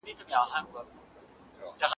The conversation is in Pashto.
هغه په اصفهان کې د پښتنو واکمني ټینګه کړه.